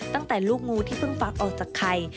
ตั้งแต่ลูกงูที่เพิ่งฟักออกจากไข่